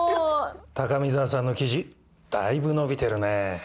高見沢さんの記事だいぶ伸びてるね。